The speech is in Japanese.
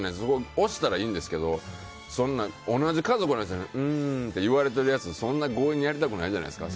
押したらいいんですけどそんな同じ家族なのにうーんって言われてるやつそんな強引にやりたくないじゃないですか。